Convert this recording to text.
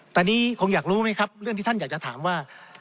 ตอนนี้คงอยากรู้ไหมครับเรื่องที่ท่านอยากจะถามว่า